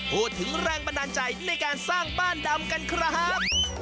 พูดถึงแรงบันดาลใจในการสร้างบ้านดำกันครับ